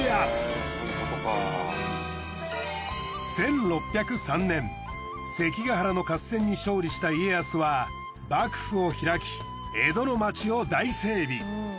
１６０３年関ヶ原の合戦に勝利した家康は幕府を開き江戸の町を大整備。